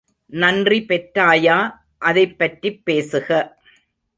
நன்றி பெற்றாயா அதைப்பற்றிப் பேசுக.